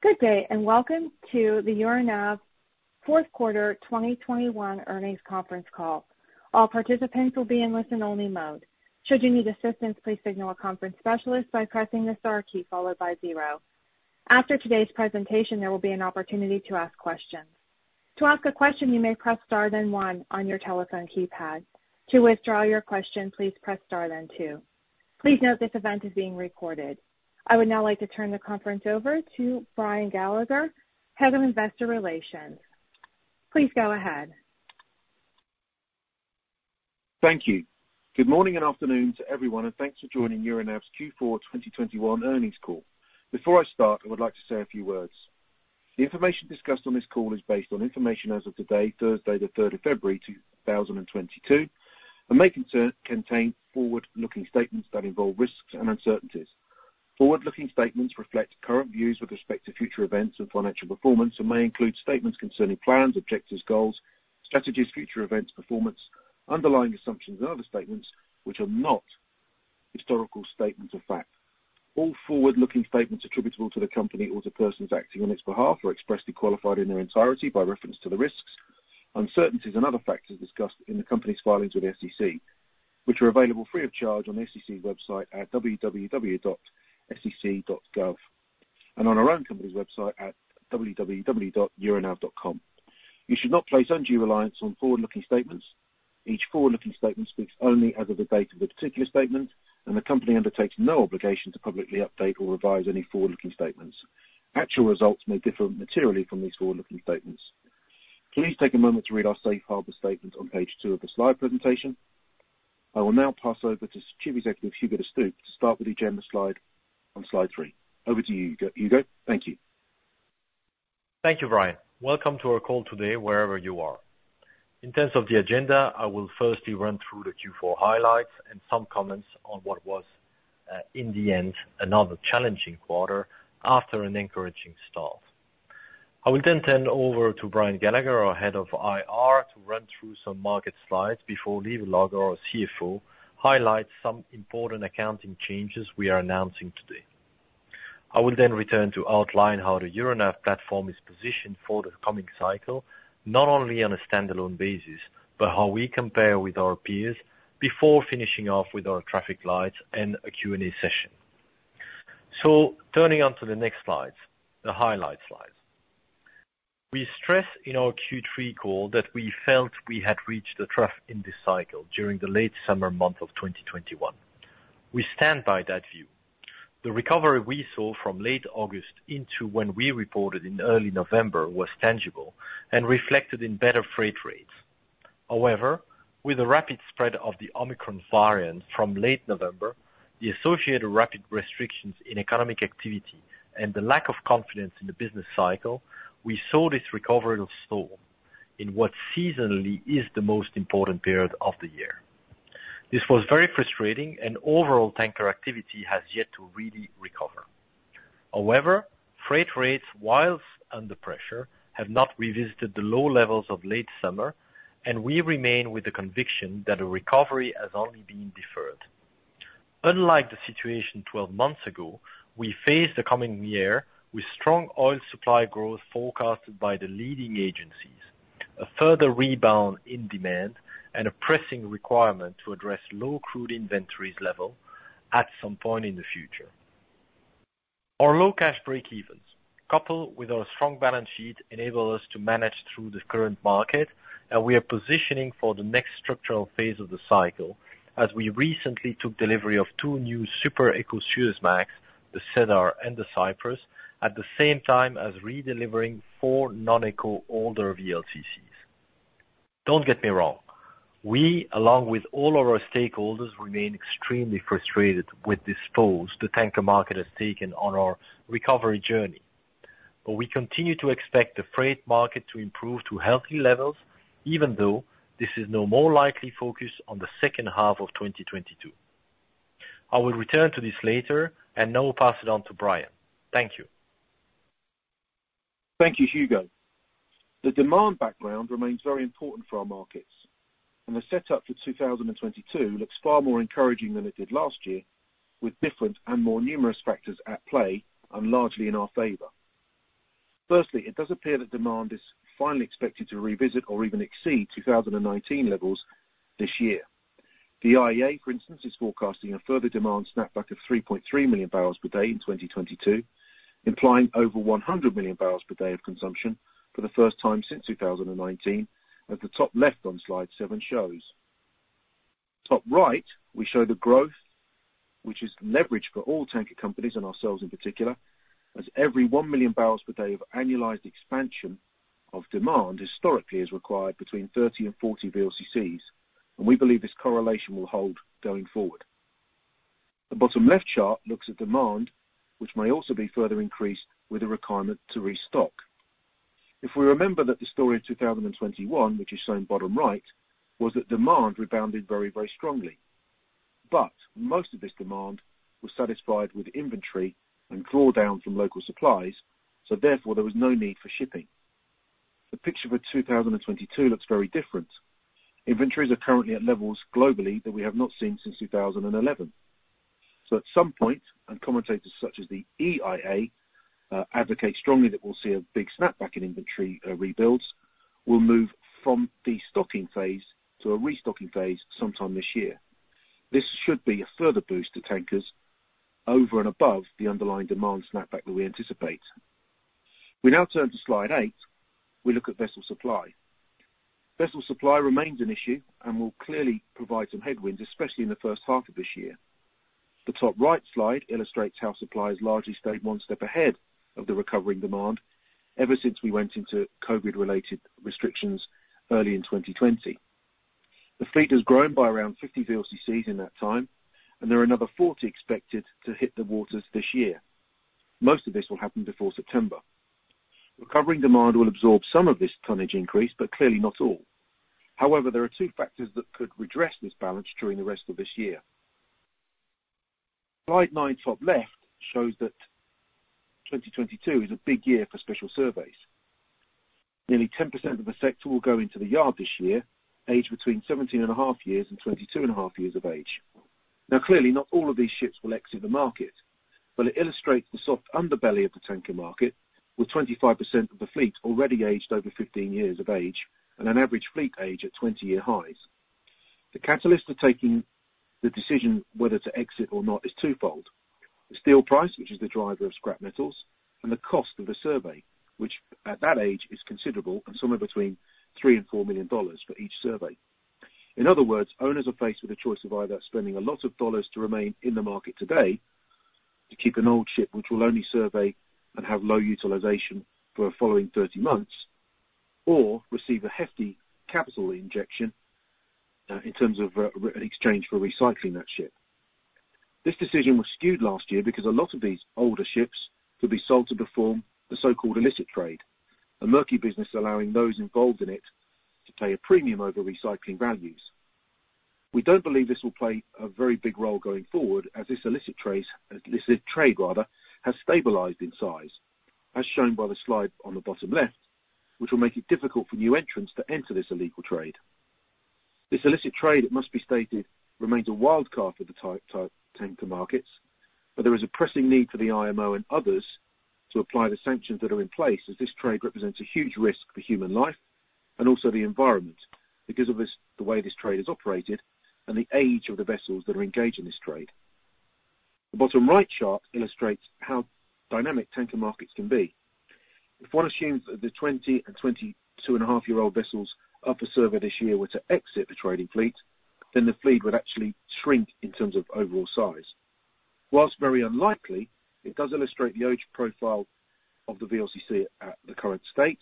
Good day, and welcome to the Euronav Fourth Quarter 2021 Earnings Conference Call. All participants will be in listen-only mode. Should you need assistance, please signal a conference specialist by pressing the star key followed by zero. After today's presentation, there will be an opportunity to ask questions. To ask a question, you may press star then one on your telephone keypad. To withdraw your question, please press star then two. Please note this event is being recorded. I would now like to turn the conference over to Brian Gallagher, Head of Investor Relations. Please go ahead. Thank you. Good morning and afternoon to everyone, and thanks for joining Euronav's Q4 2021 earnings call. Before I start, I would like to say a few words. The information discussed on this call is based on information as of today, Thursday, the 3rd of February 2022, and may contain forward-looking statements that involve risks and uncertainties. Forward-looking statements reflect current views with respect to future events and financial performance, and may include statements concerning plans, objectives, goals, strategies, future events, performance, underlying assumptions and other statements which are not historical statements of fact. All forward-looking statements attributable to the company or the persons acting on its behalf are expressly qualified in their entirety by reference to the risks, uncertainties and other factors discussed in the company's filings with SEC, which are available free of charge on SEC website at www.sec.gov, and on our own company's website at www.euronav.com. You should not place undue reliance on forward-looking statements. Each forward-looking statement speaks only as of the date of the particular statement, and the company undertakes no obligation to publicly update or revise any forward-looking statements. Actual results may differ materially from these forward-looking statements. Please take a moment to read our safe harbor statement on page two of the slide presentation. I will now pass over to Chief Executive, Hugo De Stoop, to start with agenda slide on slide three. Over to you, Hugo. Thank you. Thank you, Brian. Welcome to our call today wherever you are. In terms of the agenda, I will firstly run through the Q4 highlights and some comments on what was, in the end, another challenging quarter after an encouraging start. I will then turn over to Brian Gallagher, our head of IR, to run through some market slides before Lieve Logghe, our CFO, highlights some important accounting changes we are announcing today. I will then return to outline how the Euronav platform is positioned for the coming cycle, not only on a standalone basis, but how we compare with our peers before finishing off with our traffic lights and a Q&A session. Turning on to the next slides, the highlight slides. We stress in our Q3 call that we felt we had reached a trough in this cycle during the late summer month of 2021. We stand by that view. The recovery we saw from late August into when we reported in early November was tangible and reflected in better freight rates. However, with the rapid spread of the Omicron variant from late November, the associated rapid restrictions in economic activity and the lack of confidence in the business cycle, we saw this recovery stall in what seasonally is the most important period of the year. This was very frustrating and overall tanker activity has yet to really recover. However, freight rates, whilst under pressure, have not revisited the low levels of late summer, and we remain with the conviction that a recovery has only been deferred. Unlike the situation 12 months ago, we face the coming year with strong oil supply growth forecasted by the leading agencies, a further rebound in demand, and a pressing requirement to address low crude inventories levels at some point in the future. Our low cash breakevens, coupled with our strong balance sheet, enable us to manage through the current market, and we are positioning for the next structural phase of the cycle as we recently took delivery of two new super-eco Suezmax, the Cedar and the Cypress, at the same time as redelivering four non-eco older VLCCs. Don't get me wrong, we, along with all of our stakeholders, remain extremely frustrated with this pause that the tanker market has taken on our recovery journey. We continue to expect the freight market to improve to healthy levels, even though this is now more likely focused on the second half of 2022. I will return to this later and now pass it on to Brian. Thank you. Thank you, Hugo. The demand background remains very important for our markets, and the setup for 2022 looks far more encouraging than it did last year, with different and more numerous factors at play and largely in our favor. Firstly, it does appear that demand is finally expected to revisit or even exceed 2019 levels this year. The IEA, for instance, is forecasting a further demand snapback of 3.3 million barrels per day in 2022, implying over 100 million barrels per day of consumption for the first time since 2019, as the top left on slide 7 shows. Top right, we show the growth which is leverage for all tanker companies and ourselves in particular, as every 1 million barrels per day of annualized expansion of demand historically is required between 30 and 40 VLCCs, and we believe this correlation will hold going forward. The bottom left chart looks at demand, which may also be further increased with a requirement to restock. If we remember that the story of 2021, which is shown bottom right, was that demand rebounded very, very strongly. Most of this demand was satisfied with inventory and draw down from local supplies, so therefore there was no need for shipping. The picture for 2022 looks very different. Inventories are currently at levels globally that we have not seen since 2011. At some point, commentators such as the EIA advocate strongly that we'll see a big snap back in inventory rebuilds. We'll move from the stocking phase to a restocking phase sometime this year. This should be a further boost to tankers over and above the underlying demand snapback that we anticipate. We now turn to slide eight. We look at vessel supply. Vessel supply remains an issue and will clearly provide some headwinds, especially in the first half of this year. The top right slide illustrates how supply has largely stayed one step ahead of the recovering demand ever since we went into COVID-related restrictions early in 2020. The fleet has grown by around 50 VLCCs in that time, and there are another 40 expected to hit the waters this year. Most of this will happen before September. Recovering demand will absorb some of this tonnage increase, but clearly not all. However, there are two factors that could redress this balance during the rest of this year. Slide nine, top left, shows that 2022 is a big year for special surveys. Nearly 10% of the sector will go into the yard this year, aged between 17.5 years and 22.5 years of age. Now, clearly, not all of these ships will exit the market, but it illustrates the soft underbelly of the tanker market, with 25% of the fleet already aged over 15 years of age and an average fleet age at 20-year highs. The catalyst of taking the decision whether to exit or not is twofold. The steel price, which is the driver of scrap metals, and the cost of a survey, which at that age is considerable and somewhere between $3 million-$4 million for each survey. In other words, owners are faced with a choice of either spending a lot of dollars to remain in the market today to keep an old ship, which will only survey and have low utilization for the following 30 months, or receive a hefty capital injection, in terms of, in exchange for recycling that ship. This decision was skewed last year because a lot of these older ships could be sold to perform the so-called illicit trade, a murky business allowing those involved in it to pay a premium over recycling values. We don't believe this will play a very big role going forward as this illicit trace, illicit trade rather, has stabilized in size, as shown by the slide on the bottom left, which will make it difficult for new entrants to enter this illegal trade. This illicit trade, it must be stated, remains a wild card for the tanker markets, but there is a pressing need for the IMO and others to apply the sanctions that are in place as this trade represents a huge risk for human life and also the environment because of this, the way this trade is operated and the age of the vessels that are engaged in this trade. The bottom right chart illustrates how dynamic tanker markets can be. If one assumes that the 20- and 22.5-year-old vessels up for survey this year were to exit the trading fleet, then the fleet would actually shrink in terms of overall size. While very unlikely, it does illustrate the age profile of the VLCC at the current state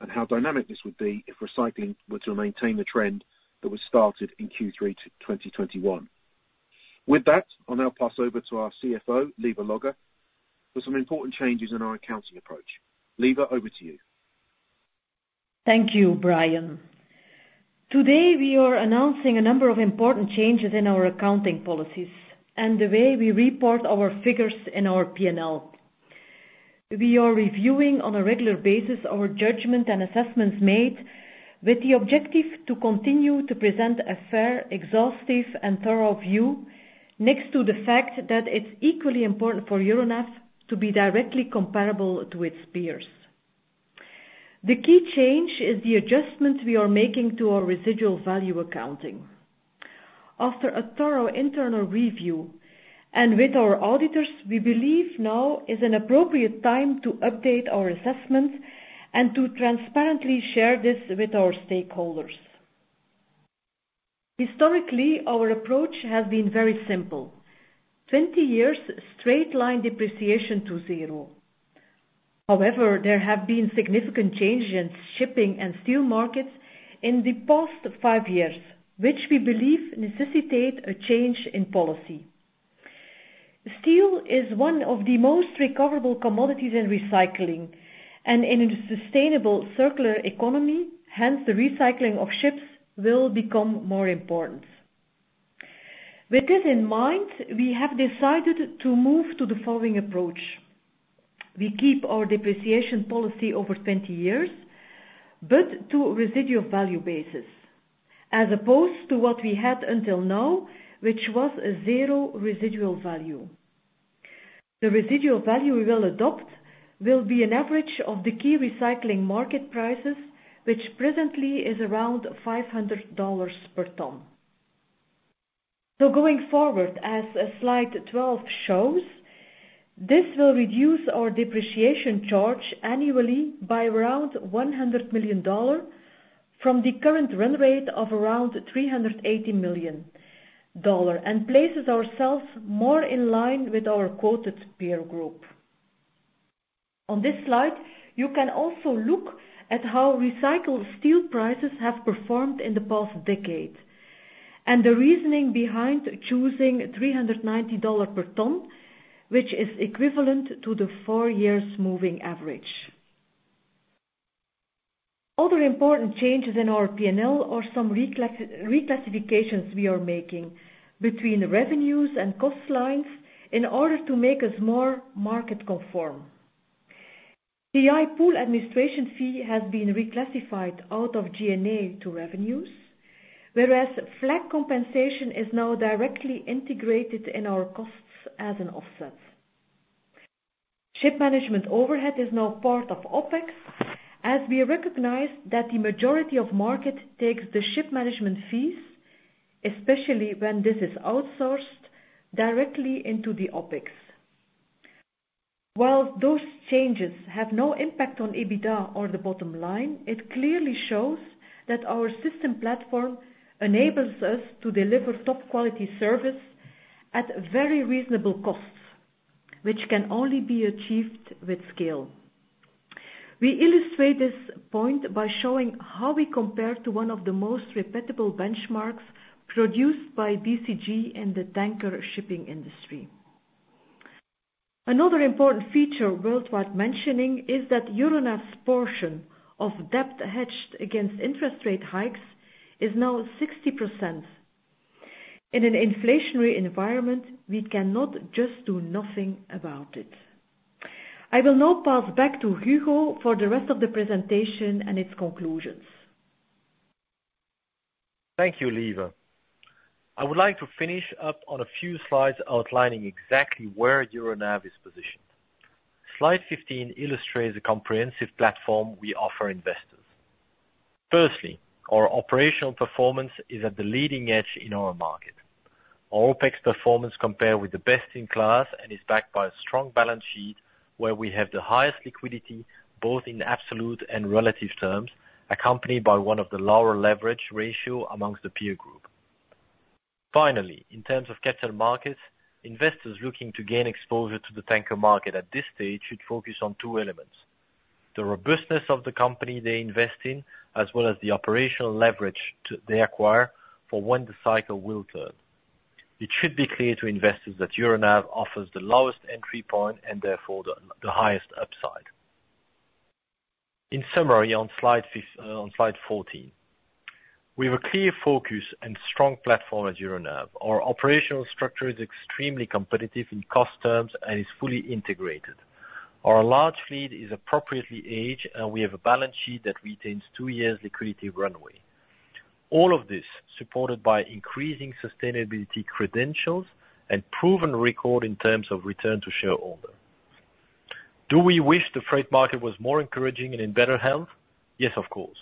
and how dynamic this would be if recycling were to maintain the trend that was started in Q3 2021. With that, I'll now pass over to our CFO, Lieve Logghe, for some important changes in our accounting approach. Lieve, over to you. Thank you, Brian. Today, we are announcing a number of important changes in our accounting policies and the way we report our figures in our P&L. We are reviewing on a regular basis our judgment and assessments made with the objective to continue to present a fair, exhaustive, and thorough view next to the fact that it's equally important for Euronav to be directly comparable to its peers. The key change is the adjustment we are making to our residual value accounting. After a thorough internal review, and with our auditors, we believe now is an appropriate time to update our assessments and to transparently share this with our stakeholders. Historically, our approach has been very simple. 20 years straight line depreciation to zero. However, there have been significant changes in shipping and steel markets in the past five years, which we believe necessitate a change in policy. Steel is one of the most recoverable commodities in recycling and in a sustainable circular economy. Hence, the recycling of ships will become more important. With this in mind, we have decided to move to the following approach. We keep our depreciation policy over 20 years, but to a residual value basis, as opposed to what we had until now, which was a zero residual value. The residual value we will adopt will be an average of the key recycling market prices, which presently is around $500 per ton. Going forward, as slide 12 shows, this will reduce our depreciation charge annually by around $100 million from the current run rate of around $380 million, and places ourselves more in line with our quoted peer group. On this slide, you can also look at how recycled steel prices have performed in the past decade and the reasoning behind choosing $390 per ton, which is equivalent to the four-year moving average. Other important changes in our P&L are some reclassifications we are making between revenues and cost lines in order to make us more market conform. TI pool administration fee has been reclassified out of G&A to revenues, whereas flag compensation is now directly integrated in our costs as an offset. Ship management overhead is now part of OpEx, as we recognize that the majority of market takes the ship management fees, especially when this is outsourced directly into the OpEx. While those changes have no impact on EBITDA or the bottom line, it clearly shows that our system platform enables us to deliver top quality service at very reasonable costs, which can only be achieved with scale. We illustrate this point by showing how we compare to one of the most repeatable benchmarks produced by BCG in the tanker shipping industry. Another important feature worth mentioning is that Euronav's portion of debt hedged against interest rate hikes is now 60%. In an inflationary environment, we cannot just do nothing about it. I will now pass back to Hugo for the rest of the presentation and its conclusions. Thank you, Lieve. I would like to finish up on a few slides outlining exactly where Euronav is positioned. Slide 15 illustrates a comprehensive platform we offer investors. Firstly, our operational performance is at the leading edge in our market. Our OpEx performance compare with the best in class and is backed by a strong balance sheet where we have the highest liquidity, both in absolute and relative terms, accompanied by one of the lower leverage ratio amongst the peer group. Finally, in terms of capital markets, investors looking to gain exposure to the tanker market at this stage should focus on two elements, the robustness of the company they invest in, as well as the operational leverage they acquire for when the cycle will turn. It should be clear to investors that Euronav offers the lowest entry point and therefore the highest upside. In summary, on slide 14, we have a clear focus and strong platform at Euronav. Our operational structure is extremely competitive in cost terms and is fully integrated. Our large fleet is appropriately aged, and we have a balance sheet that retains two years liquidity runway. All of this supported by increasing sustainability credentials and proven record in terms of return to shareholder. Do we wish the freight market was more encouraging and in better health? Yes, of course.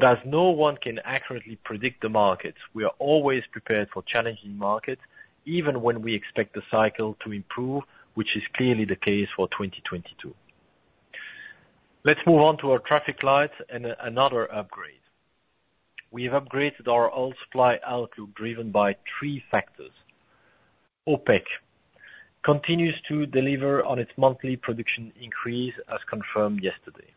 As no one can accurately predict the markets, we are always prepared for challenging markets even when we expect the cycle to improve, which is clearly the case for 2022. Let's move on to our traffic lights and another upgrade. We have upgraded our oil supply outlook driven by three factors. OPEC continues to deliver on its monthly production increase, as confirmed yesterday.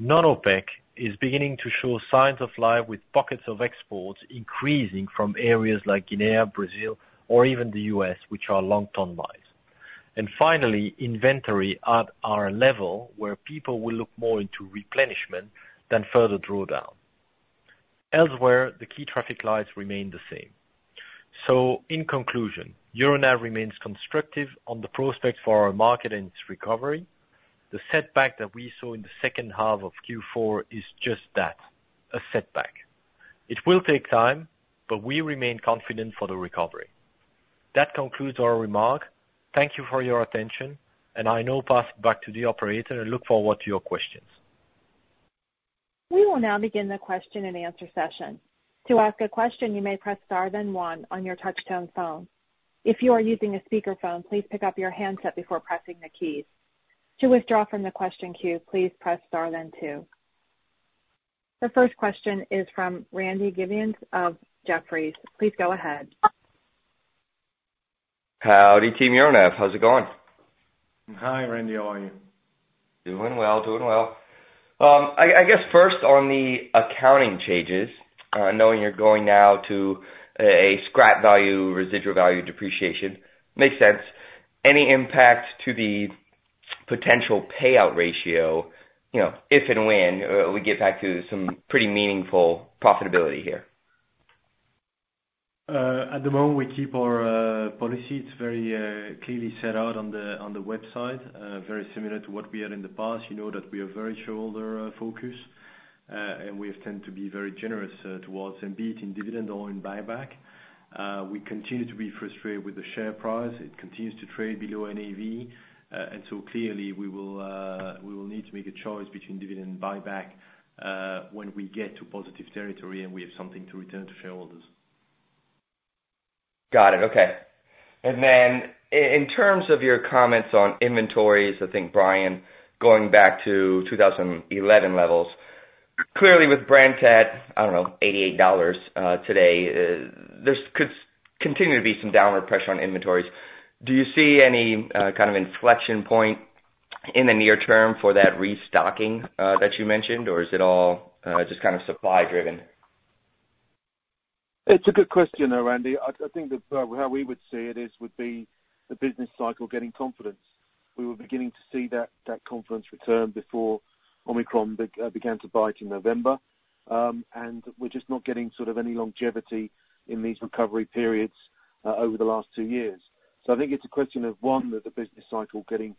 Non-OPEC is beginning to show signs of life with pockets of exports increasing from areas like Guyana, Brazil, or even the U.S., which are long ton-miles. Finally, inventory at our level where people will look more into replenishment than further drawdown. Elsewhere, the key traffic lights remain the same. In conclusion, Euronav remains constructive on the prospects for our market and its recovery. The setback that we saw in the second half of Q4 is just that, a setback. It will take time, but we remain confident for the recovery. That concludes our remark. Thank you for your attention, and I now pass back to the operator and look forward to your questions. We will now begin the question-and-answer session. To ask a question, you may press star then one on your touchtone phone. If you are using a speaker phone, please pick up your handset before pressing the keys. To withdraw from the question queue, please press star then two. The first question is from Randy Giveans of Jefferies. Please go ahead. Howdy, team Euronav. How's it going? Hi, Randy. How are you? Doing well. I guess first on the accounting changes, knowing you're going now to a scrap value, residual value depreciation, makes sense. Any impact to the potential payout ratio, you know, if and when we get back to some pretty meaningful profitability here? At the moment, we keep our policy. It's very clearly set out on the website, very similar to what we had in the past. You know that we are very shareholder focused, and we have tended to be very generous towards them, be it in dividend or in buyback. We continue to be frustrated with the share price. It continues to trade below NAV. Clearly we will need to make a choice between dividend and buyback, when we get to positive territory and we have something to return to shareholders. Got it. Okay. In terms of your comments on inventories, I think, Brian, going back to 2011 levels. Clearly, with Brent at, I don't know, $88 today, this could continue to be some downward pressure on inventories. Do you see any kind of inflection point in the near term for that restocking that you mentioned? Or is it all just kind of supply driven? It's a good question, though, Randy. I think that it would be the business cycle getting confidence. We were beginning to see that confidence return before Omicron began to bite in November. We're just not getting sort of any longevity in these recovery periods over the last two years. I think it's a question of that the business cycle getting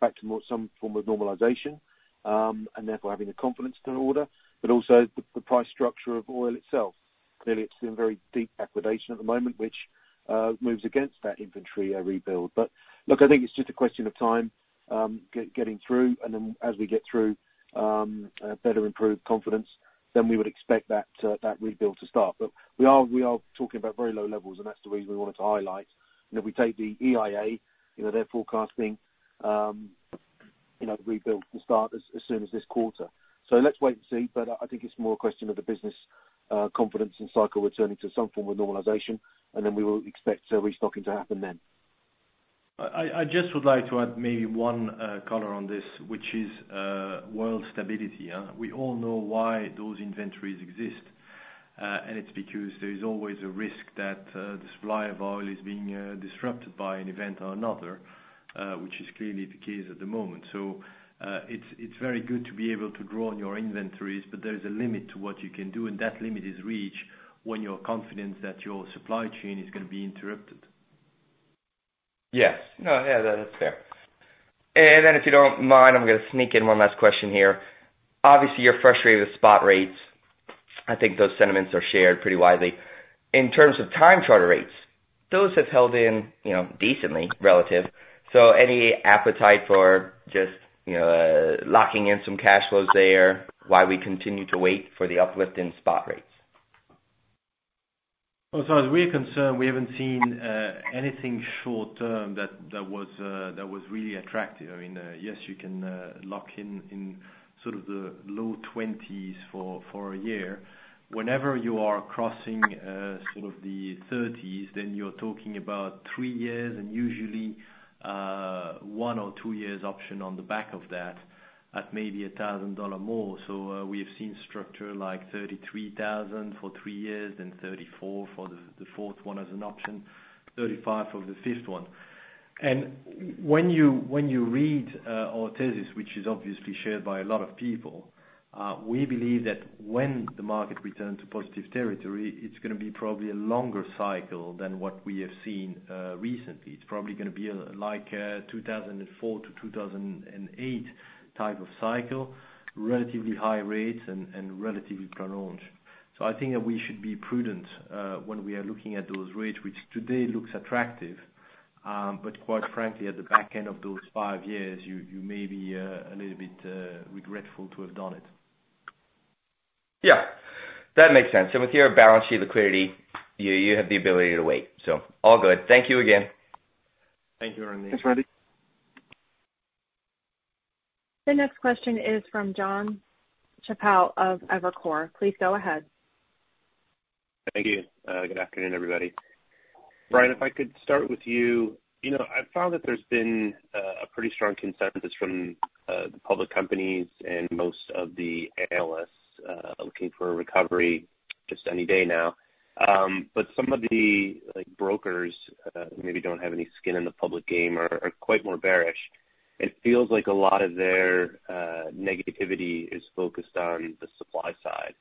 back to more some form of normalization and therefore having the confidence to order, but also the price structure of oil itself. Clearly, it's in very deep liquidation at the moment, which moves against that inventory rebuild. Look, I think it's just a question of time getting through, and then as we get through better improved confidence, then we would expect that rebuild to start. We are talking about very low levels, and that's the reason we wanted to highlight. If we take the EIA, you know, they're forecasting you know the rebuild to start as soon as this quarter. Let's wait and see. I think it's more a question of the business confidence and cycle returning to some form of normalization, and then we will expect the restocking to happen then. I just would like to add maybe one color on this, which is world stability, yeah. We all know why those inventories exist, and it's because there is always a risk that the supply of oil is being disrupted by an event or another, which is clearly the case at the moment. It's very good to be able to draw on your inventories, but there's a limit to what you can do, and that limit is reached when you're confident that your supply chain is gonna be interrupted. Yes. No, yeah, that's fair. If you don't mind, I'm gonna sneak in one last question here. Obviously, you're frustrated with spot rates. I think those sentiments are shared pretty widely. In terms of time charter rates, those have held in, you know, decently relative. Any appetite for just, you know, locking in some cash flows there while we continue to wait for the uplift in spot rates? As we're concerned, we haven't seen anything short-term that was really attractive. I mean, yes, you can lock in sort of the low $20s for a year. Whenever you are crossing sort of the 30s, then you're talking about three years and usually one or two years option on the back of that at maybe $1,000 more. We have seen structure like $33,000 for three years and 34 for the fourth one as an option, 35 for the fifth one. When you read our thesis, which is obviously shared by a lot of people, we believe that when the market returns to positive territory, it's gonna be probably a longer cycle than what we have seen recently. It's probably gonna be a like 2004 to 2008 type of cycle, relatively high rates, and relatively prolonged. I think that we should be prudent when we are looking at those rates, which today looks attractive, but quite frankly, at the back end of those five years, you may be a little bit regretful to have done it. Yeah, that makes sense. With your balance sheet liquidity, you have the ability to wait. All good. Thank you again. Thank you, Randy. Thanks, Randy. The next question is from Jonathan Chappell of Evercore. Please go ahead. Thank you. Good afternoon, everybody. Brian, if I could start with you. You know, I found that there's been a pretty strong consensus from the public companies and most of the analysts looking for a recovery just any day now. But some of the like brokers maybe don't have any skin in the public game are quite more bearish. It feels like a lot of their negativity is focused on the supply side.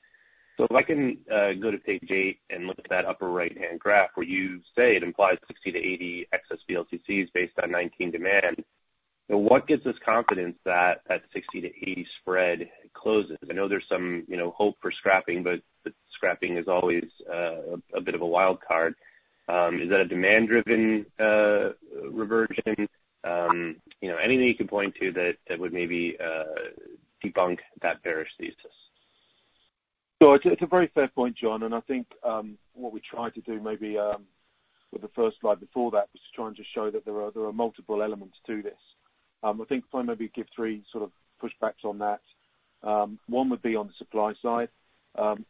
If I can go to page 8 and look at that upper right-hand graph where you say it implies 60-80 excess VLCCs based on 2019 demand, what gives us confidence that 60-80 spread closes? I know there's some you know hope for scrapping, but scrapping is always a bit of a wild card. Is that a demand-driven reversion? You know, anything you can point to that would maybe debunk that bearish thesis? It's a very fair point, John, and I think what we tried to do maybe with the first slide before that was to try and just show that there are multiple elements to this. I think if I maybe give three sort of pushbacks on that. One would be on the supply side.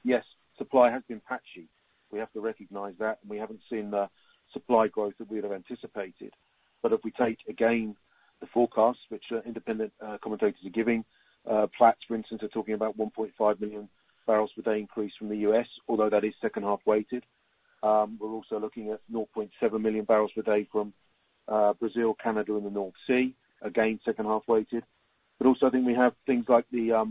Yes, supply has been patchy. We have to recognize that, and we haven't seen the supply growth that we'd have anticipated. If we take again the forecasts which independent commentators are giving, Platts, for instance, are talking about 1.5 million barrels per day increase from the U.S., although that is second half weighted. We're also looking at 0.7 million barrels per day from Brazil, Canada, and the North Sea, again, second half weighted. Also, I think we have things like the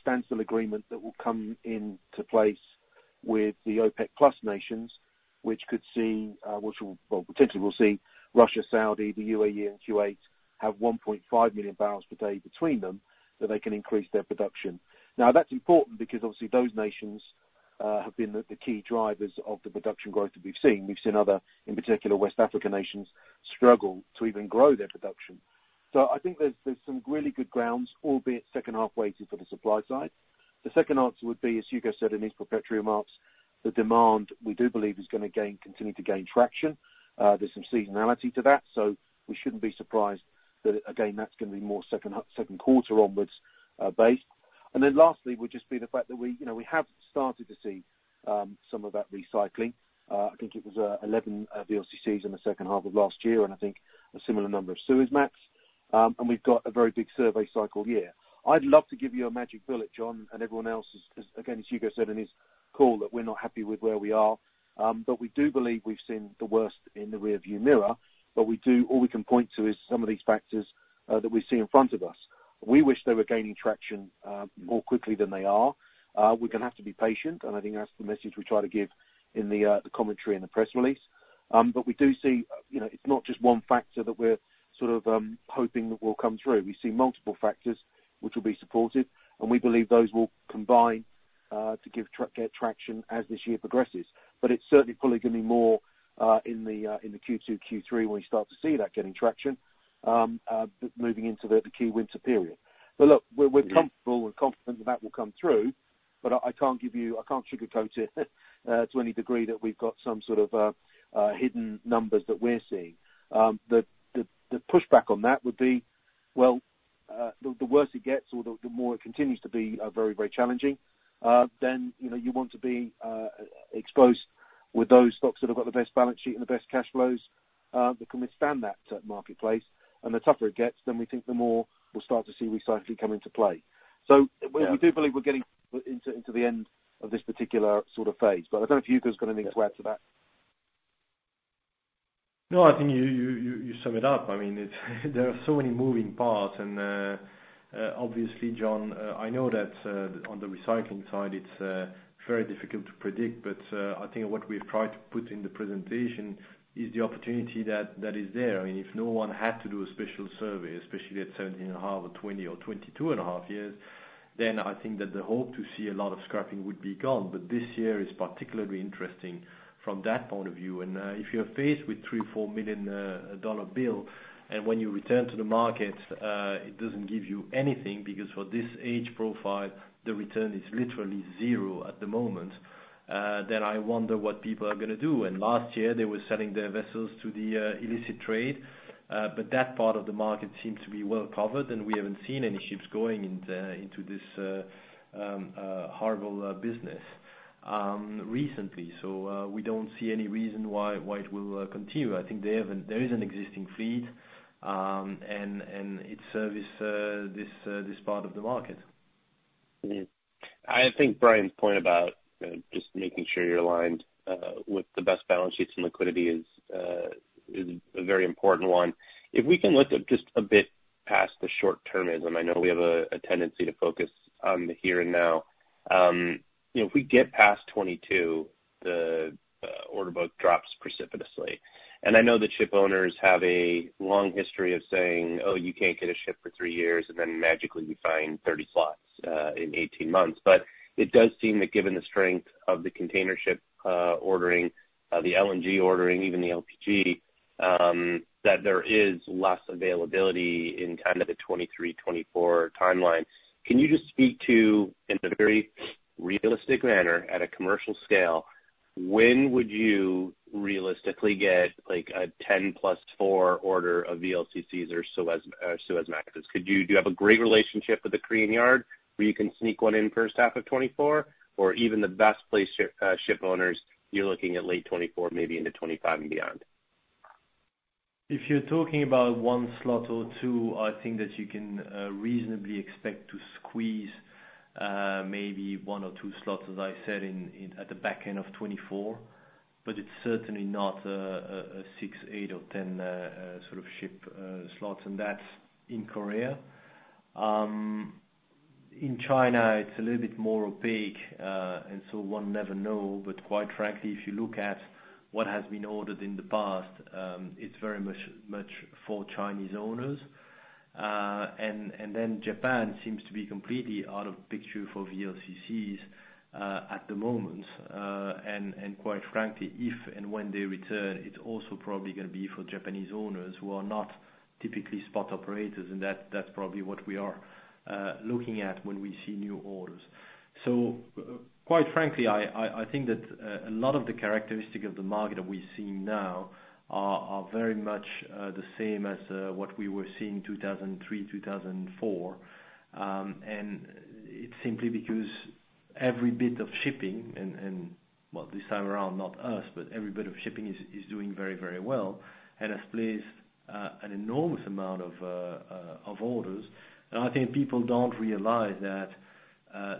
standstill agreement that will come into place with the OPEC+ nations, which will. Well, potentially we'll see Russia, Saudi, the UAE, and Kuwait have 1 million barrels per day between them that they can increase their production. Now, that's important because obviously those nations have been the key drivers of the production growth that we've seen. We've seen other, in particular, West African nations, struggle to even grow their production. I think there's some really good grounds, albeit second half weighted for the supply side. The second answer would be, as Hugo said in his preparatory remarks, the demand we do believe is gonna gain, continue to gain traction. There's some seasonality to that, so we shouldn't be surprised that again, that's gonna be more second quarter onwards, base. Lastly would just be the fact that we, you know, we have started to see, some of that recycling. I think it was, 11 VLCCs in the second half of last year, and I think a similar number of Suezmax. We've got a very big survey cycle here. I'd love to give you a magic bullet, John, and everyone else as again, as Hugo said in his call, that we're not happy with where we are. But we do believe we've seen the worst in the rearview mirror. We do all we can point to is some of these factors that we see in front of us. We wish they were gaining traction more quickly than they are. We're gonna have to be patient, and I think that's the message we try to give in the commentary in the press release. We do see, you know, it's not just one factor that we're sort of hoping that will come through. We see multiple factors which will be supportive, and we believe those will combine to get traction as this year progresses. It's certainly probably gonna be more in the Q2, Q3, when we start to see that getting traction moving into the key winter period. Look, we're comfortable and confident that that will come through, but I can't sugarcoat it to any degree that we've got some sort of hidden numbers that we're seeing. The pushback on that would be, well, the worse it gets or the more it continues to be very, very challenging, then you know you want to be exposed with those stocks that have got the best balance sheet and the best cash flows that can withstand that marketplace. The tougher it gets, then we think the more we'll start to see recycling come into play. Yeah. We do believe we're getting into the end of this particular sort of phase. But I don't know if Hugo's got anything to add to that. No, I think you sum it up. I mean, there are so many moving parts, and obviously, John, I know that on the recycling side, it's very difficult to predict. I think what we've tried to put in the presentation is the opportunity that is there. I mean, if no one had to do a special survey, especially at 17.5 or 20 or 22.5 years, then I think that the hope to see a lot of scrapping would be gone. This year is particularly interesting from that point of view. If you're faced with $3-$4 million dollar bill, and when you return to the market, it doesn't give you anything, because for this age profile, the return is literally zero at the moment, then I wonder what people are gonna do. Last year, they were selling their vessels to the illicit trade, but that part of the market seems to be well covered, and we haven't seen any ships going into this horrible business recently. We don't see any reason why it will continue. I think there is an existing fleet, and it services this part of the market. I think Brian's point about just making sure you're aligned with the best balance sheets and liquidity is a very important one. If we can look at just a bit past the short-termism, I know we have a tendency to focus on the here and now. You know, if we get past 2022, the order book drops precipitously. I know that ship owners have a long history of saying, "Oh, you can't get a ship for three years," and then magically we find 30 slots in 18 months. It does seem that given the strength of the container ship ordering, the LNG ordering, even the LPG, that there is less availability in kind of the 2023, 2024 timeline. Can you just speak to, in a very realistic manner, at a commercial scale, when would you realistically get, like, a 10 + 4 order of VLCCs or Suezmaxes? Do you have a great relationship with the Korean yard where you can sneak one in first half of 2024? Or even the best placed ship owners, you're looking at late 2024, maybe into 2025 and beyond? If you're talking about one slot or two, I think that you can reasonably expect to squeeze maybe one or two slots, as I said, in at the back end of 2024, but it's certainly not a six, eight or 10 sort of ship slots, and that's in Korea. In China, it's a little bit more opaque, and so one never know. Quite frankly, if you look at what has been ordered in the past, it's very much for Chinese owners. Then Japan seems to be completely out of picture for VLCCs at the moment. Quite frankly, if and when they return, it's also probably gonna be for Japanese owners who are not typically spot operators, and that's probably what we are looking at when we see new orders. Quite frankly, I think that a lot of the characteristic of the market that we're seeing now are very much the same as what we were seeing 2003, 2004. It's simply because, well, this time around, not us, but every bit of shipping is doing very, very well, and has placed an enormous amount of orders. I think people don't realize that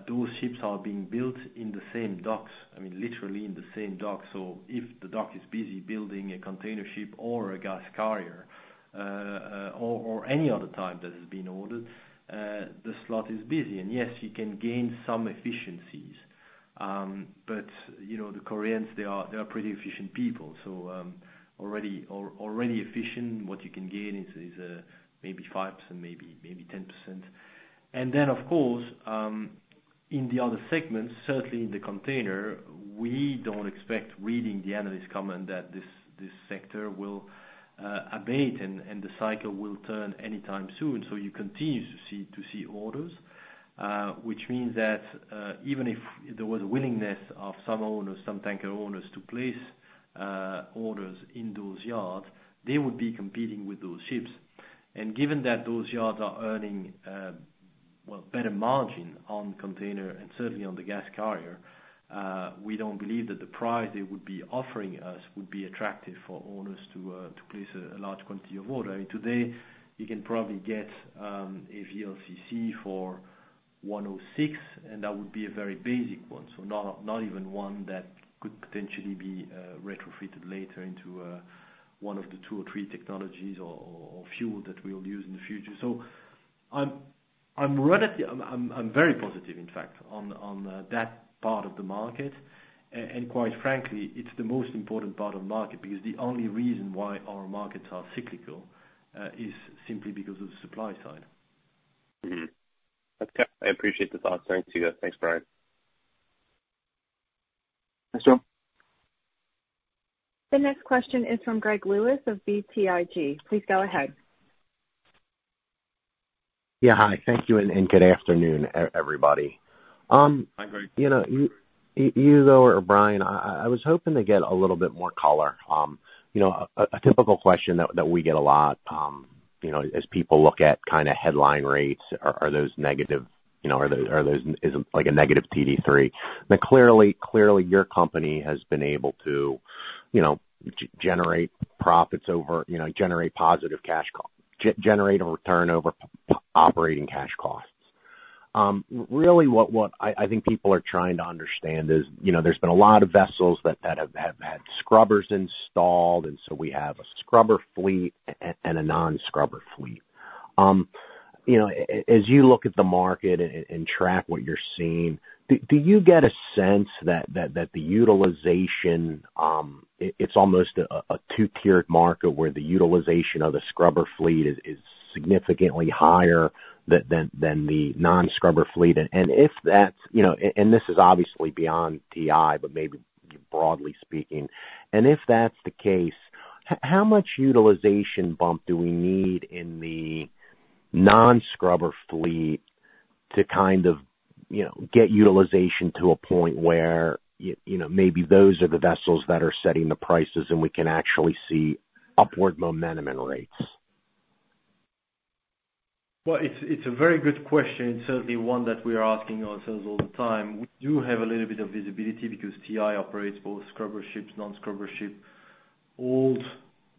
those ships are being built in the same docks, I mean, literally in the same docks. If the dock is busy building a container ship or a gas carrier or any other type that has been ordered, the slot is busy. Yes, you can gain some efficiencies. You know, the Koreans, they are pretty efficient people. Already efficient, what you can gain is maybe 5%, maybe 10%. Of course, in the other segments, certainly in the container, we don't expect reading the analyst comment that this sector will abate and the cycle will turn anytime soon. You continue to see orders, which means that even if there was a willingness of some owners, some tanker owners, to place orders in those yards, they would be competing with those ships. Given that those yards are earning, well, better margin on container and certainly on the gas carrier, we don't believe that the price they would be offering us would be attractive for owners to place a large quantity of order. I mean, today, you can probably get a VLCC for $106 million, and that would be a very basic one not even one that could potentially be retrofitted later into one of the two or three technologies or fuel that we'll use in the future. I'm very positive, in fact, on that part of the market. Quite frankly, it's the most important part of market because the only reason why our markets are cyclical is simply because of the supply side. Mm-hmm. That's fair. I appreciate the thoughts. Thanks to you. Thanks, Brian. Thanks, John. The next question is from Gregory Lewis of BTIG. Please go ahead. Yeah. Hi, thank you, and good afternoon everybody. Hi, Greg. You know, you too, or Brian, I was hoping to get a little bit more color. You know, a typical question that we get a lot, you know, as people look at kinda headline rates, are those negative, you know, is it like a negative TD3? Clearly, your company has been able to generate a return over operating cash costs. Really, what I think people are trying to understand is, you know, there's been a lot of vessels that have had scrubbers installed, and so we have a scrubber fleet and a non-scrubber fleet. You know, as you look at the market and track what you're seeing, do you get a sense that the utilization, it's almost a two-tiered market where the utilization of the scrubber fleet is significantly higher than the non-scrubber fleet? If that's, you know, and this is obviously beyond TI, but maybe broadly speaking, if that's the case, how much utilization bump do we need in the non-scrubber fleet to kind of, you know, get utilization to a point where you know, maybe those are the vessels that are setting the prices, and we can actually see upward momentum in rates? Well, it's a very good question. It's certainly one that we are asking ourselves all the time. We do have a little bit of visibility because TI operates both scrubber ships, non-scrubber ship, old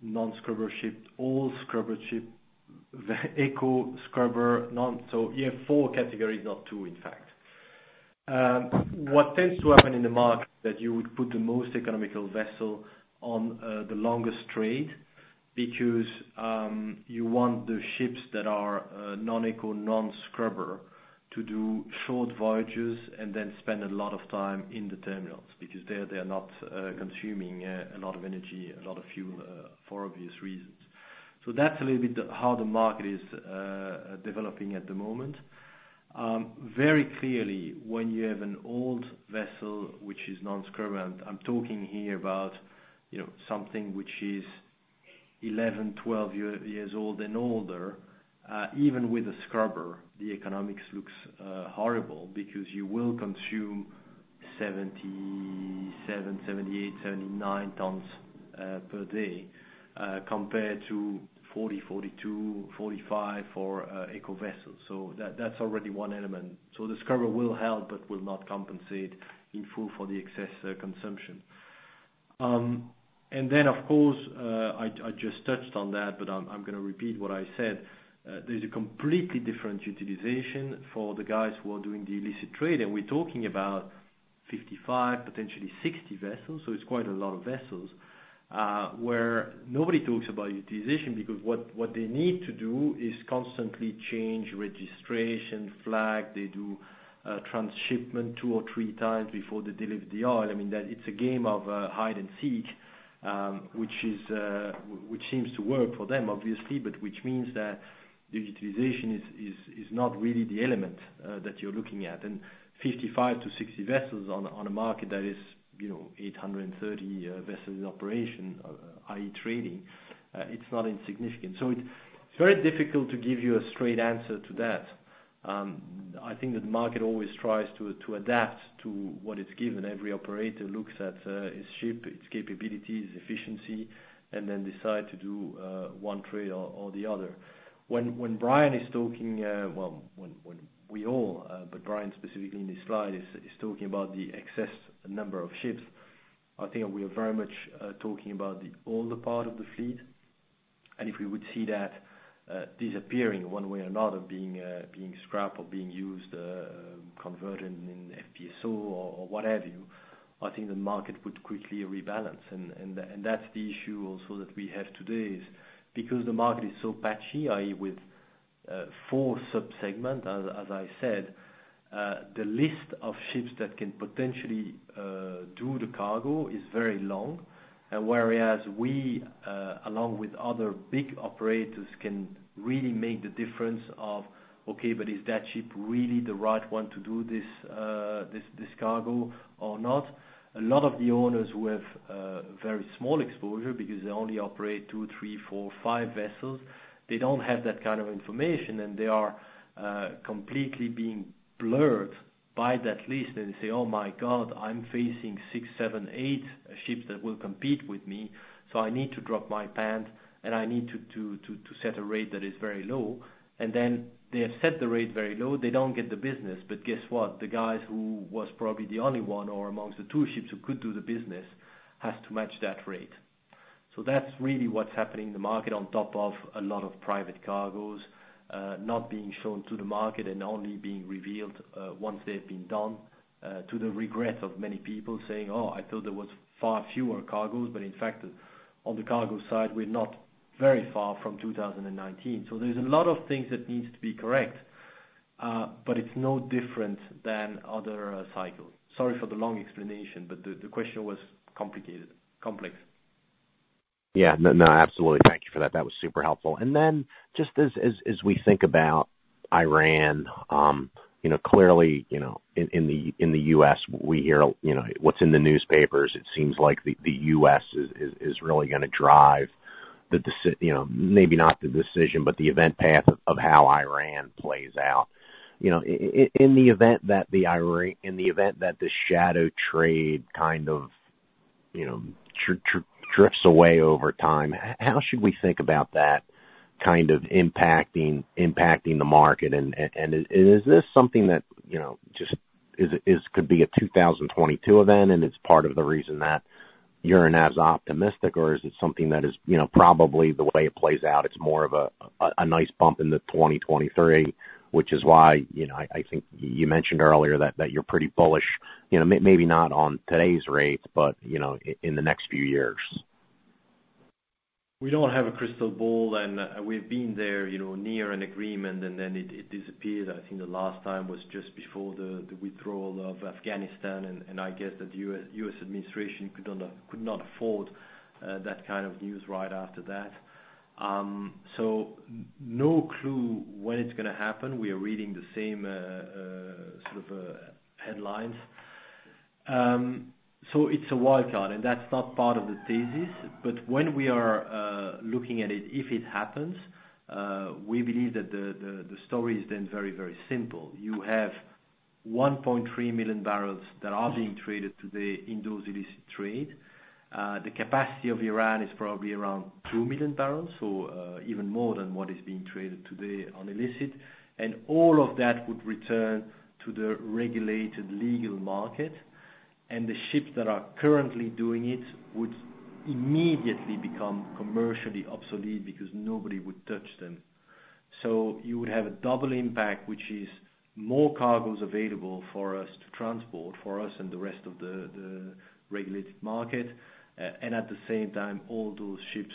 non-scrubber ship, old scrubber ship, the eco scrubber, non. So you have four categories, not two, in fact. What tends to happen in the market is that you would put the most economical vessel on the longest trade because you want the ships that are non-eco, non-scrubber, to do short voyages and then spend a lot of time in the terminals because they're not consuming a lot of energy, a lot of fuel, for obvious reasons. That's a little bit how the market is developing at the moment. Very clearly, when you have an old vessel which is non-scrubber, and I'm talking here about, you know, something which is 11-12 years old and older, even with a scrubber, the economics looks horrible because you will consume 77-79 tons per day compared to 40-45 for eco vessels. That's already one element. The scrubber will help but will not compensate in full for the excess consumption. Of course, I just touched on that, but I'm gonna repeat what I said. There's a completely different utilization for the guys who are doing the illicit trade, and we're talking about 55, potentially 60 vessels, so it's quite a lot of vessels, where nobody talks about utilization because what they need to do is constantly change registration flag. They do transshipment two or three times before they deliver the oil. I mean, that it's a game of hide and seek, which seems to work for them, obviously, but which means that the utilization is not really the element that you're looking at. 55-60 vessels on a market that is, you know, 830 vessels in operation, i.e. trading, it's not insignificant. It's very difficult to give you a straight answer to that. I think that the market always tries to adapt to what it's given. Every operator looks at its ship, its capabilities, efficiency, and then decide to do one trade or the other. When Brian is talking, well, but Brian specifically in this slide is talking about the excess number of ships. I think we are very much talking about the older part of the fleet. If we would see that disappearing one way or another being scrapped or being used converted to FPSO or what have you, I think the market would quickly rebalance. That's the issue also that we have today, because the market is so patchy, i.e., with four sub-segments, as I said, the list of ships that can potentially do the cargo is very long. Whereas we, along with other big operators, can really make the difference of, okay, but is that ship really the right one to do this cargo or not? A lot of the owners with very small exposure because they only operate two, three, four, five vessels, they don't have that kind of information, and they are completely being blurred by that list. They say, "Oh my God, I'm facing six, seven, eight ships that will compete with me, so I need to drop my pants, and I need to set a rate that is very low." Then they have set the rate very low. They don't get the business. Guess what? The guys who was probably the only one or amongst the two ships who could do the business has to match that rate. That's really what's happening in the market on top of a lot of private cargoes not being shown to the market and only being revealed once they've been done to the regret of many people saying, "Oh, I thought there was far fewer cargoes." In fact, on the cargo side, we're not very far from 2019. There's a lot of things that needs to be correct, but it's no different than other cycles. Sorry for the long explanation, but the question was complicated, complex. Yeah. No, no, absolutely. Thank you for that. That was super helpful. Just as we think about Iran, you know, clearly, you know, in the U.S. we hear, you know, what's in the newspapers, it seems like the U.S. is really gonna drive the, you know, maybe not the decision, but the event path of how Iran plays out. You know, in the event that the shadow trade kind of, you know, drifts away over time, how should we think about that kind of impacting the market? And is this something that, you know, just could be a 2022 event and it's part of the reason that you're as optimistic? Is it something that is, you know, probably the way it plays out, it's more of a nice bump in the 2023, which is why, you know, I think you mentioned earlier that you're pretty bullish, you know, maybe not on today's rates but, you know, in the next few years? We don't have a crystal ball and we've been there, you know, near an agreement and then it disappeared. I think the last time was just before the withdrawal of Afghanistan, and I guess the U.S. administration could not afford that kind of news right after that. No clue when it's gonna happen. We are reading the same sort of headlines. It's a wild card, and that's not part of the thesis. When we are looking at it, if it happens, we believe that the story is then very simple. You have 1.3 million barrels that are being traded today in those illicit trade. The capacity of Iran is probably around 2 million barrels, so even more than what is being traded today on illicit. All of that would return to the regulated legal market. The ships that are currently doing it would immediately become commercially obsolete because nobody would touch them. You would have a double impact, which is more cargoes available for us to transport, for us and the rest of the regulated market. And at the same time, all those ships,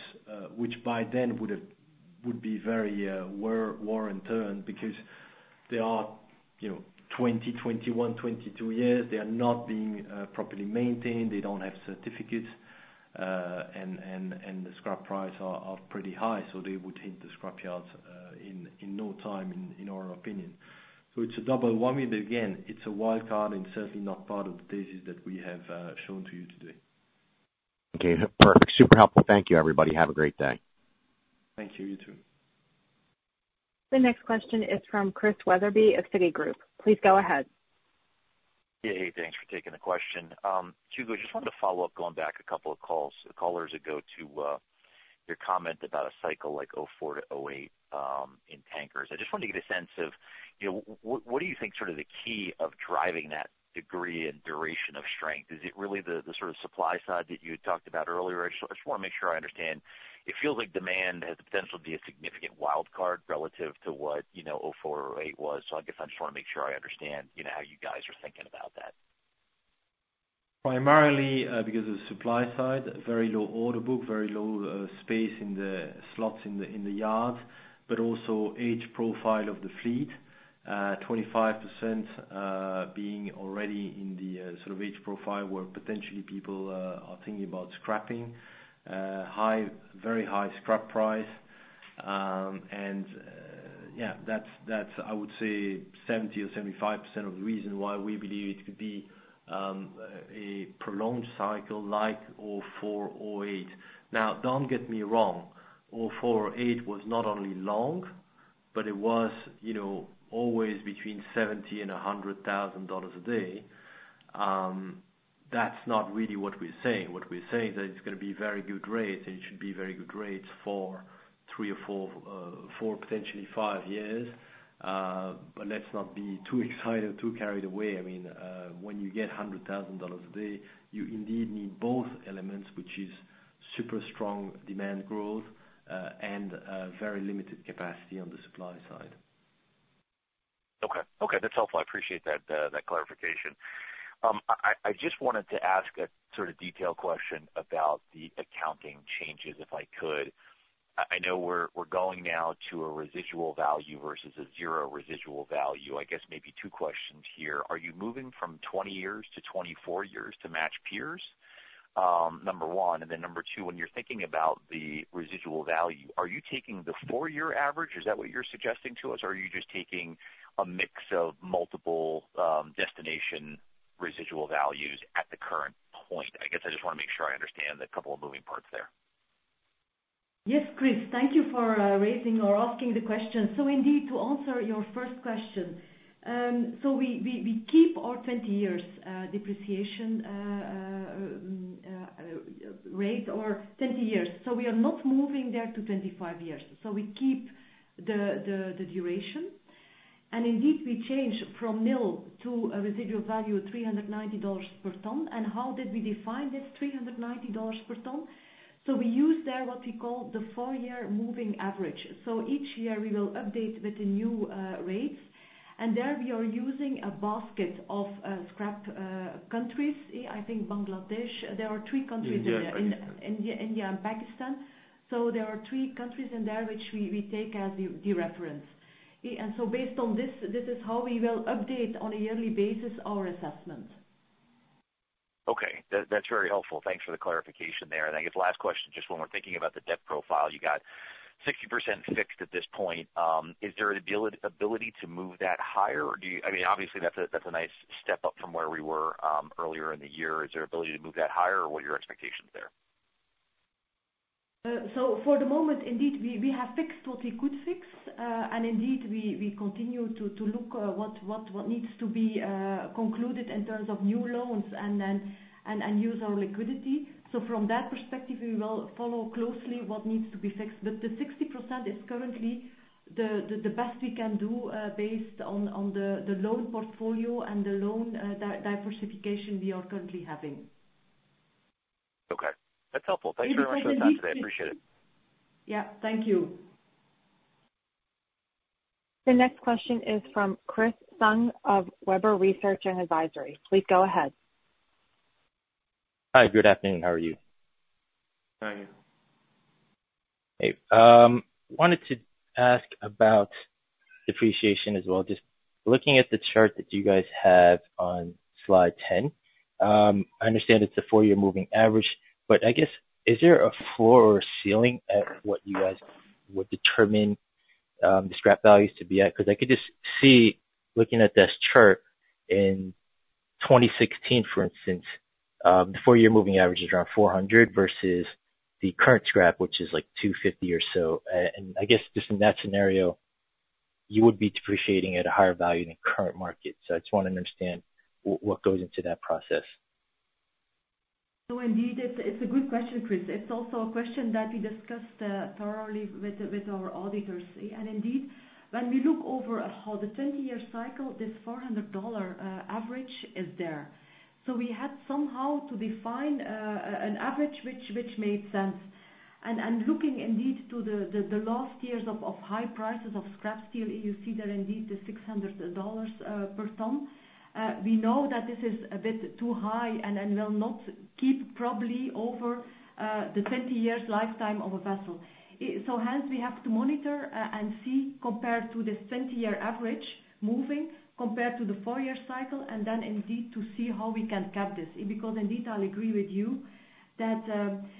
which by then would be very worn out because they are, you know, 20, 21, 22 years. They are not being properly maintained. They don't have certificates. And the scrap prices are pretty high, so they would hit the scrap yards in no time, in our opinion. It's a double whammy. Again, it's a wild card and certainly not part of the thesis that we have shown to you today. Okay, perfect. Super helpful. Thank you, everybody. Have a great day. Thank you. You too. The next question is from Chris Wetherbee of Citigroup. Please go ahead. Yeah. Hey, thanks for taking the question. Hugo, just wanted to follow up going back a couple of calls ago to your comment about a cycle like 2004 to 2008 in tankers. I just wanted to get a sense of, you know, what do you think sort of the key of driving that degree and duration of strength? Is it really the sort of supply side that you had talked about earlier? I just wanna make sure I understand. It feels like demand has the potential to be a significant wildcard relative to what, you know, 2004 or 2008 was. I guess I just wanna make sure I understand, you know, how you guys are thinking about that. Primarily, because of the supply side, very low order book, very low space in the slots in the yard, but also age profile of the fleet, 25% being already in the sort of age profile where potentially people are thinking about scrapping. Very high scrap price. Yeah, that's, I would say 70 or 75% of the reason why we believe it could be a prolonged cycle like 2004, 2008. Now, don't get me wrong, 2004 or 2008 was not only long, but it was, you know, always between $70,000 and $100,000 a day. That's not really what we're saying. What we're saying is that it's gonna be very good rates, and it should be very good rates for three or four, potentially fiv years. Let's not be too excited, too carried away. I mean, when you get $100,000 a day, you indeed need both elements, which is super strong demand growth, and very limited capacity on the supply side. Okay, that's helpful. I appreciate that clarification. I just wanted to ask a sort of detailed question about the accounting changes, if I could. I know we're going now to a residual value versus a zero residual value. I guess maybe two questions here. Are you moving from 20 years to 24 years to match peers? Number one. Then number two, when you're thinking about the residual value, are you taking the four-year average? Is that what you're suggesting to us? Or are you just taking a mix of multiple destination residual values at the current point? I guess I just wanna make sure I understand the couple of moving parts there. Yes, Chris. Thank you for raising or asking the question. Indeed, to answer your first question, we keep our 20 years depreciation rate or 20 years. We are not moving there to 25 years. We keep the duration. Indeed, we changed from nil to a residual value of $390 per ton. How did we define this $390 per ton? We use there what we call the four-year moving average. Each year we will update with the new rates. There we are using a basket of scrap countries. I think Bangladesh. There are three countries there. Yes. India and Pakistan. There are three countries in there which we take as the reference. Based on this is how we will update on a yearly basis our assessment. Okay. That's very helpful. Thanks for the clarification there. I guess last question, just when we're thinking about the debt profile, you got 60% fixed at this point. Is there an ability to move that higher? Or do you, I mean, obviously, that's a nice step up from where we were earlier in the year. Is there ability to move that higher? Or what are your expectations there? For the moment, indeed, we have fixed what we could fix. Indeed we continue to look at what needs to be concluded in terms of new loans and then use our liquidity. From that perspective, we will follow closely what needs to be fixed. 60% is currently the best we can do, based on the loan portfolio and the loan diversification we are currently having. Okay. That's helpful. Thank you very much for the time today. I appreciate it. Yeah. Thank you. The next question is from Chris Tsung of Webber Research & Advisory. Please go ahead. Hi. Good afternoon. How are you? Fine. Hey. Wanted to ask about depreciation as well. Just looking at the chart that you guys have on slide 10, I understand it's a four-year moving average, but I guess, is there a floor or ceiling at what you guys would determine the scrap values to be at? Because I could just see, looking at this chart, in 2016, for instance, the four-year moving average is around 400 versus the current scrap, which is, like, 250 or so. I guess just in that scenario, you would be depreciating at a higher value than current market. I just wanna understand what goes into that process. No, indeed, it's a good question, Chris. It's also a question that we discussed thoroughly with our auditors. Indeed, when we look over how the 20-year cycle, this $400 average is there. We had somehow to define an average which made sense. Looking indeed to the last years of high prices of scrap steel, you see there indeed the $600 per ton. We know that this is a bit too high and will not keep probably over the 20-year lifetime of a vessel. Hence, we have to monitor and see, compared to this 20-year average moving, compared to the four-year cycle, and then indeed to see how we can cap this. Because indeed, I'll agree with you that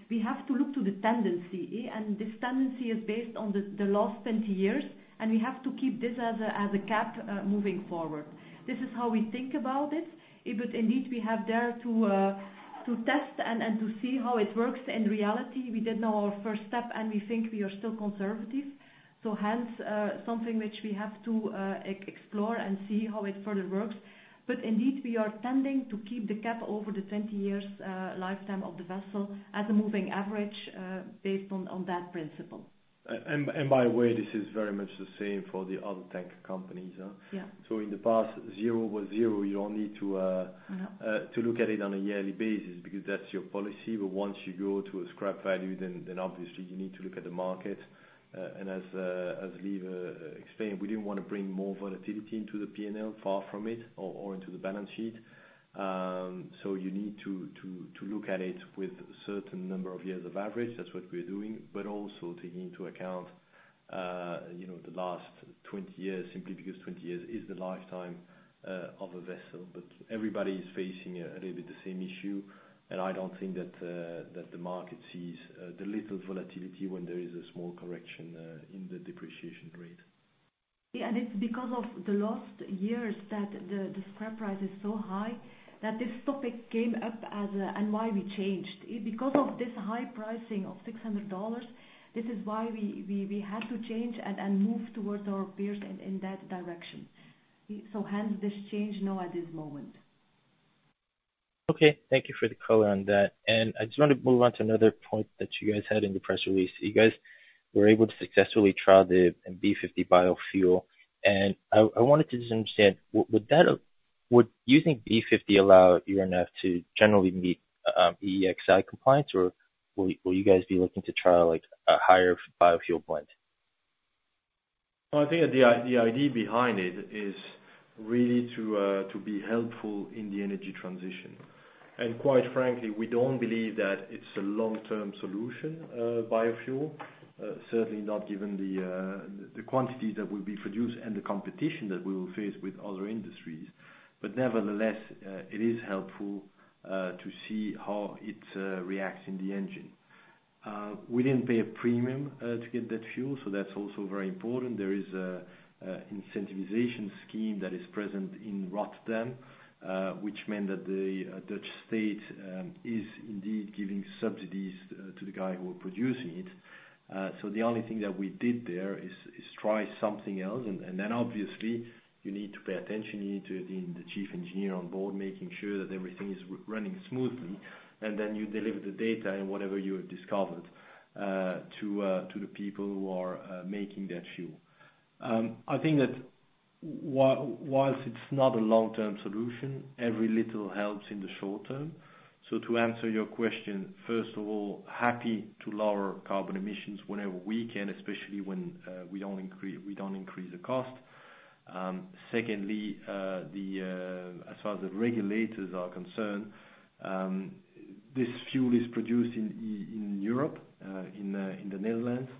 we have to look to the tendency, and this tendency is based on the last 20 years, and we have to keep this as a cap moving forward. This is how we think about it. Indeed we have to test and to see how it works in reality. We did now our first step, and we think we are still conservative. Hence, something which we have to explore and see how it further works. Indeed, we are tending to keep the cap over the 20 years lifetime of the vessel as a moving average based on that principle. By the way, this is very much the same for the other tanker companies, huh? Yeah. In the past, zero was zero. You don't need to, Mm-hmm to look at it on a yearly basis because that's your policy. Once you go to a scrap value, then obviously you need to look at the market. As Lieve explained, we didn't wanna bring more volatility into the P&L, far from it, or into the balance sheet. You need to look at it with certain number of years of average. That's what we're doing, but also taking into account, you know, the last 20 years, simply because 20 years is the lifetime of a vessel. Everybody is facing a little bit the same issue. I don't think that the market sees the little volatility when there is a small correction in the depreciation rate. Yeah. It's because of the last years that the scrap price is so high that this topic came up as a and why we changed. Because of this high pricing of $600, this is why we had to change and move towards our peers in that direction. Hence this change now at this moment. Okay. Thank you for the color on that. I just wanna move on to another point that you guys had in the press release. You guys were able to successfully trial the B50 biofuel, and I wanted to just understand, would you think B50 allow ENF to generally meet EEXI compliance, or will you guys be looking to trial, like, a higher biofuel blend? I think the idea behind it is really to be helpful in the energy transition. Quite frankly, we don't believe that it's a long-term solution, biofuel. Certainly not given the quantity that will be produced and the competition that we will face with other industries. Nevertheless, it is helpful to see how it reacts in the engine. We didn't pay a premium to get that fuel, so that's also very important. There is an incentivization scheme that is present in Rotterdam, which meant that the Dutch state is indeed giving subsidies to the guys who are producing it. So the only thing that we did there is try something else. Then obviously you need to pay attention. You need to have the chief engineer on board, making sure that everything is running smoothly, and then you deliver the data and whatever you have discovered to the people who are making that fuel. I think that while it's not a long-term solution, every little helps in the short term. To answer your question, first of all, happy to lower carbon emissions whenever we can, especially when we don't increase the cost. Secondly, as far as the regulators are concerned, this fuel is produced in Europe, in the Netherlands.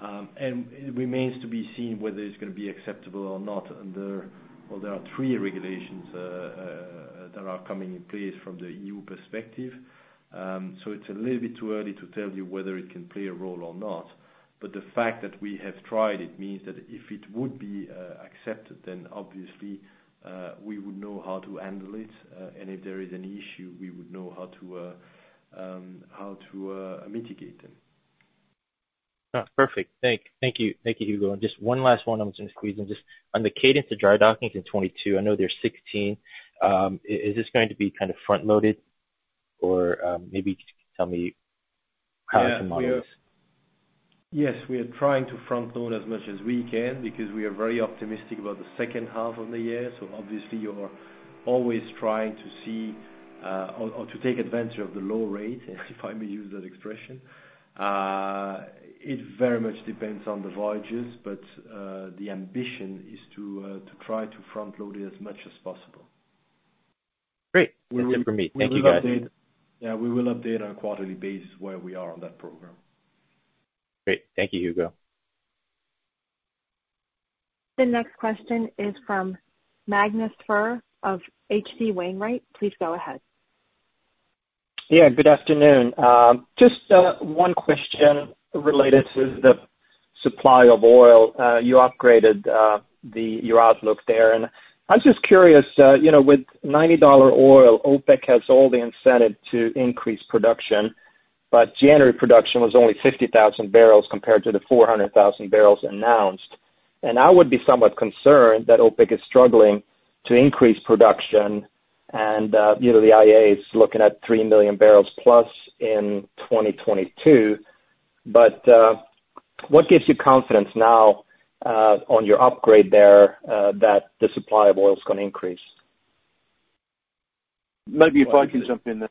And it remains to be seen whether it's gonna be acceptable or not. Well, there are three regulations that are coming into place from the EU perspective. It's a little bit too early to tell you whether it can play a role or not, but the fact that we have tried it means that if it would be accepted, then obviously we would know how to handle it. If there is any issue, we would know how to mitigate them. Perfect. Thank you. Thank you, Hugo. Just one last one I'm just gonna squeeze in. Just on the cadence of drydockings in 2022, I know there's 16. Is this going to be kind of front-loaded? Or, maybe you could tell me how the model is. Yes, we are trying to front-load as much as we can because we are very optimistic about the second half of the year. Obviously you are always trying to take advantage of the low rate, if I may use that expression. It very much depends on the voyages, but the ambition is to try to front-load it as much as possible. Great. That's it for me. Thank you, guys. Yeah, we will update on a quarterly basis where we are on that program. Great. Thank you, Hugo. The next question is from Magnus Fyhr of H.C. Wainwright. Please go ahead. Good afternoon. Just one question related to the supply of oil. You upgraded your outlook there. I was just curious, you know, with $90 oil, OPEC has all the incentive to increase production. January production was only 50,000 barrels compared to the 400,000 barrels announced. I would be somewhat concerned that OPEC is struggling to increase production. You know, the IEA is looking at 3 million barrels plus in 2022. What gives you confidence now on your upgrade there that the supply of oil is gonna increase? Maybe if I can jump in there.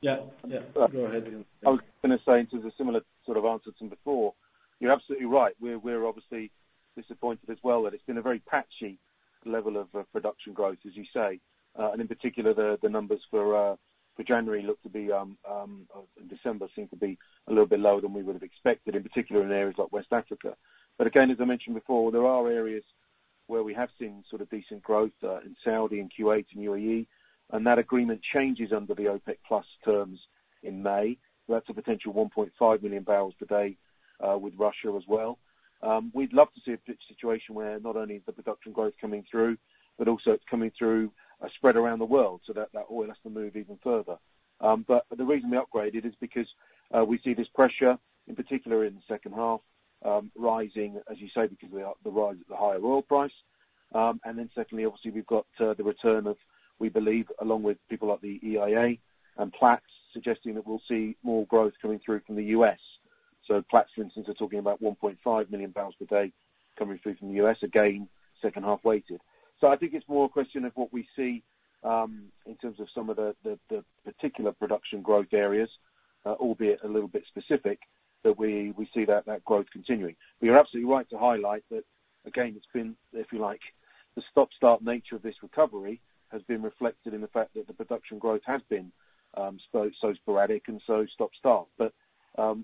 Yeah. Yeah. Go ahead. I was gonna say in terms of similar sort of answers from before, you're absolutely right. We're obviously disappointed as well that it's been a very patchy level of production growth, as you say. In particular, the numbers for December seemed to be a little bit lower than we would have expected, in particular in areas like West Africa. Again, as I mentioned before, there are areas where we have seen sort of decent growth in Saudi and Kuwait and UAE, and that agreement changes under the OPEC+ terms in May. That's a potential 1.5 million barrels per day with Russia as well. We'd love to see a bit of a situation where not only is the production growth coming through, but also it's coming through spread around the world so that that oil has to move even further. But the reason we upgraded is because we see this pressure, in particular in the second half, rising, as you say, because the rise of the higher oil price. Secondly, obviously we've got the return of, we believe, along with people like the EIA and Platts suggesting that we'll see more growth coming through from the U.S. Platts, for instance, are talking about 1.5 million barrels per day coming through from the U.S., again, second half weighted. I think it's more a question of what we see in terms of some of the particular production growth areas, albeit a little bit specific, that we see that growth continuing. You're absolutely right to highlight that. It's been, if you like, the stop-start nature of this recovery has been reflected in the fact that the production growth has been so sporadic and so stop-start.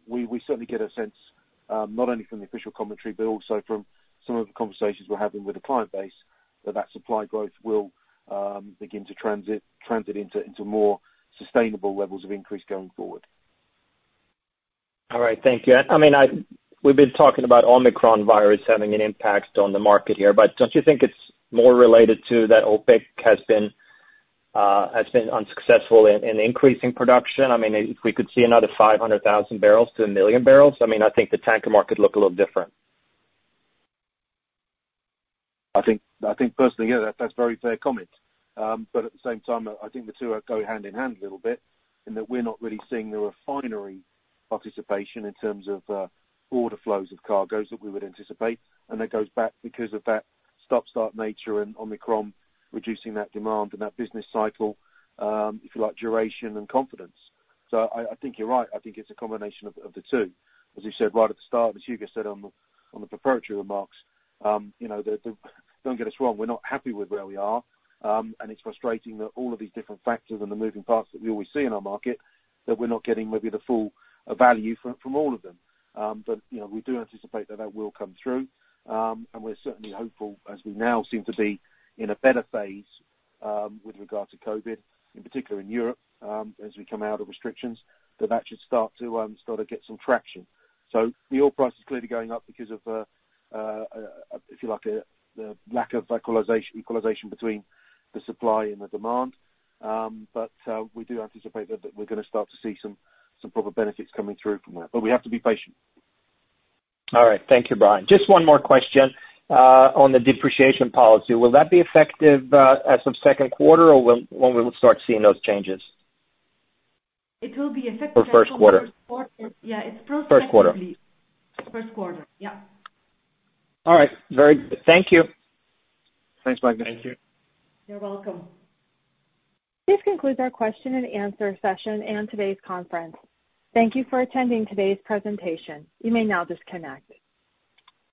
We certainly get a sense not only from the official commentary but also from some of the conversations we're having with the client base, that supply growth will begin to translate into more sustainable levels of increase going forward. All right. Thank you. I mean, we've been talking about Omicron virus having an impact on the market here. Don't you think it's more related to that OPEC has been unsuccessful in increasing production? I mean, if we could see another 500,000-1 million barrels, I mean, I think the tanker market look a little different. I think personally, yeah, that's a very fair comment. At the same time, I think the two go hand in hand a little bit in that we're not really seeing the refinery participation in terms of border flows of cargoes that we would anticipate. That goes back because of that stop-start nature and Omicron reducing that demand and that business cycle, if you like, duration and confidence. I think you're right. I think it's a combination of the two. As you said right at the start, as Hugo said on the preparatory remarks, you know, the. Don't get us wrong, we're not happy with where we are, and it's frustrating that all of these different factors and the moving parts that we always see in our market, that we're not getting maybe the full value from all of them. You know, we do anticipate that will come through. We're certainly hopeful as we now seem to be in a better phase with regard to COVID, in particular in Europe, as we come out of restrictions, that should start to get some traction. The oil price is clearly going up because of, if you like, the lack of equalization between the supply and the demand. We do anticipate that we're gonna start to see some proper benefits coming through from that. We have to be patient. All right. Thank you, Brian. Just one more question on the depreciation policy. Will that be effective as of second quarter, or when will we start seeing those changes? It will be effective. For first quarter. Yeah, it's prospectively. First quarter. First Quarter. Yeah. All right. Very good. Thank you. Thanks, Magnus. You're welcome. This concludes our question and answer session and today's conference. Thank you for attending today's presentation. You may now disconnect.